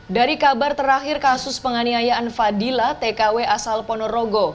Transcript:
dari kabar terakhir kasus penganiayaan fadila tkw asal ponorogo